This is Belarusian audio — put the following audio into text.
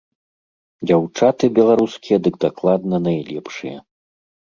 Дзяўчаты беларускія дык дакладна найлепшыя.